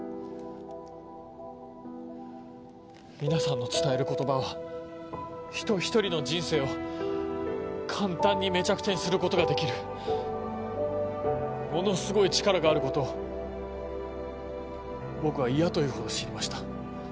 皆さんの伝える言葉は人ひとりの人生を簡単にめちゃくちゃにすることができるものすごい力があることを僕は嫌というほど知りました。